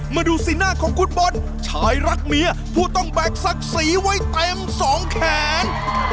มาดูสีหน้าของฟุตบอลชายรักเมียผู้ต้องแบกศักดิ์สีไว้เต็มสองแขน